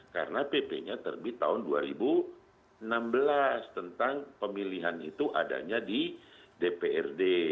karena pp nya terbit tahun dua ribu enam belas tentang pemilihan itu adanya di dprd